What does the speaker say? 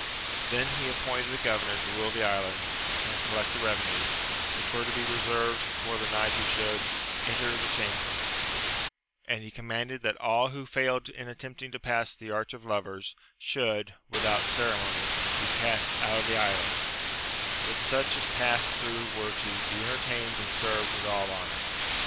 Then he appointed a governor to rule the island, and collect the revenues, which were to be reserved 254 AMADIS OF GAUL, for the knight who should enter the chamber ; and he commanded that all who failed in attempting to pass the arch of lovers, should, without ceremony, be cast out of the island ; but such as passed through were to be entertained and served with all honour.